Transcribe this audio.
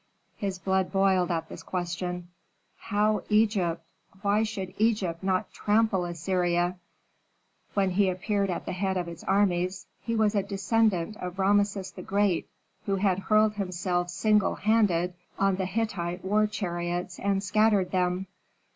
His blood boiled at this question. "How Egypt? Why should Egypt not trample Assyria, when he appeared at the head of its armies, he a descendant of Rameses the Great, who had hurled himself single handed on the Hittite war chariots and scattered them."